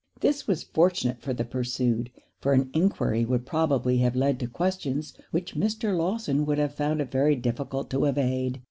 This was fortunate for the pursued; for an enquiry would probably have led to questions which Mr. Lawson would have found it very difficult to evade.